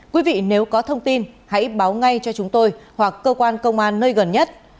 quý vị nếu có thông tin hãy báo ngay cho chúng tôi hoặc cơ quan công an nơi gần nhất